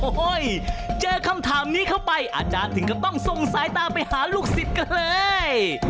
โอ้โหเจอคำถามนี้เข้าไปอาจารย์ถึงก็ต้องส่งสายตาไปหาลูกศิษย์กันเลย